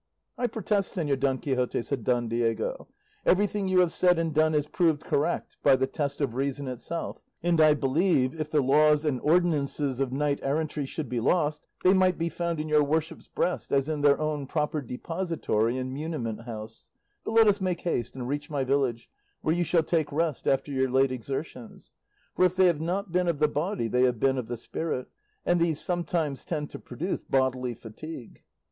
'" "I protest, Señor Don Quixote," said Don Diego, "everything you have said and done is proved correct by the test of reason itself; and I believe, if the laws and ordinances of knight errantry should be lost, they might be found in your worship's breast as in their own proper depository and muniment house; but let us make haste, and reach my village, where you shall take rest after your late exertions; for if they have not been of the body they have been of the spirit, and these sometimes tend to produce bodily fatigue."